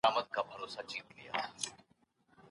که استاد وي نو ماشوم نه ورکیږي.